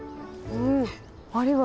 うん。